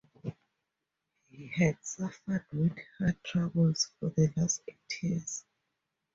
He had suffered with heart troubles for the last eight years.